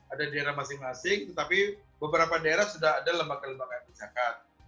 ada di daerah masing masing tetapi beberapa daerah sudah ada lembaga lembaga kesehatan